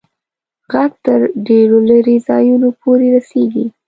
ږغ تر ډېرو لیري ځایونو پوري رسیږي.